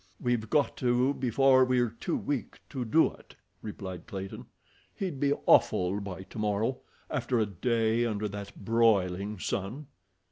"We've got to before we're too weak to do it," replied Clayton. "He'd be awful by tomorrow, after a day under that broiling sun."